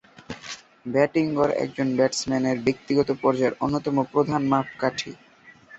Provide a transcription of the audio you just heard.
Batting গড় একজন ব্যাটসম্যানের ব্যক্তিগত পর্যায়ে অন্যতম প্রধান মাপকাঠি।